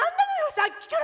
さっきから。